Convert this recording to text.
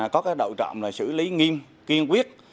có đội trọng xử lý nghiêm kiên quyết